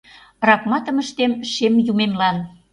Ракматым ыштем шем юмемлан.